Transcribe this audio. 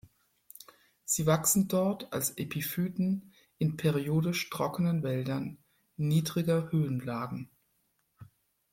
Sie wachsen dort als Epiphyten in periodisch trockenen Wäldern niedriger Höhenlagen.